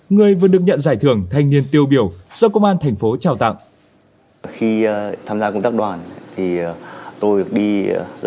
người vừa được nhận giải thưởng thanh niên tiêu biểu do công an thành phố trao tặng